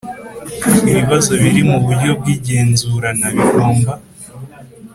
Ibibazo biri mu buryo bw igenzurana bigomba